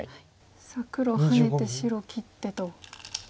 さあ黒ハネて白切ってと。